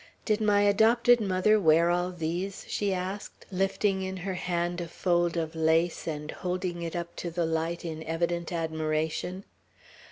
"Did my adopted mother wear all these?" she asked, lifting in her hand a fold of lace, and holding it up to the light, in evident admiration.